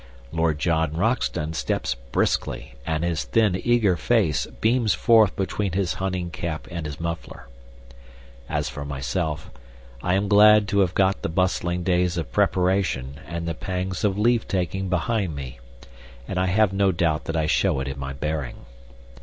Lord John Roxton steps briskly, and his thin, eager face beams forth between his hunting cap and his muffler. As for myself, I am glad to have got the bustling days of preparation and the pangs of leave taking behind me, and I have no doubt that I show it in my bearing.